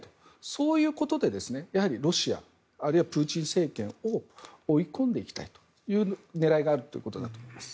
そういうことでロシアあるいはプーチン政権を追い込んでいきたいという狙いがあるということだと思います。